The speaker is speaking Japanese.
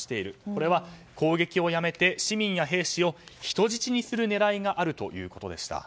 これは攻撃をやめて市民や兵士を人質にする狙いがあるということでした。